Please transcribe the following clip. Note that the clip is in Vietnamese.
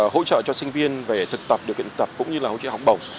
hỗ trợ cho sinh viên về thực tập điều kiện tập cũng như là hỗ trợ học bổng